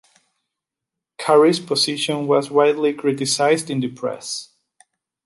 Carey's position was widely criticised in the press.